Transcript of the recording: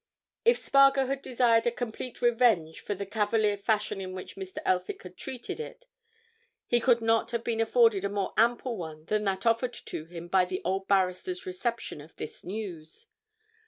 If Spargo had desired a complete revenge for the cavalier fashion in which Mr. Elphick had treated it he could not have been afforded a more ample one than that offered to him by the old barrister's reception of this news.